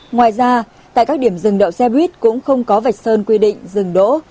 ngoài ra tại các điểm dừng đậu xe buýt cũng không có vạch sơn quy định dừng đỗ